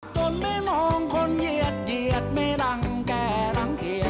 จนไม่มองคนเหยียดเหยียดไม่รังแก่รังเกียจ